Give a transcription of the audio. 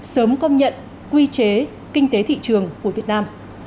sớm công nhận quy chế kinh tế thị trường của việt nam